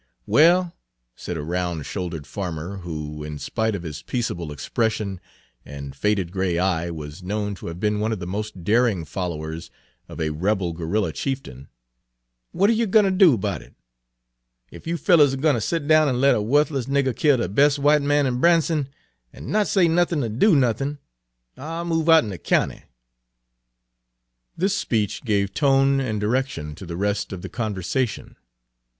"Well," said a round shouldered farmer, who, in spite of his peaceable expression and faded gray eye, was known to have been one of the most daring followers of a rebel guerrilla chieftain, "what air yer gwine ter do about it? Ef you fellers air gwine ter set down an' let a wuthless nigger kill the bes' white man in Branson, an' not say nuthin' ner do nuthin', I 'll move outen the caounty." This speech gave tone and direction to the rest of the conversation.